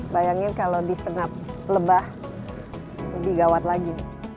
bayangin kalau disengat lebah lebih gawat lagi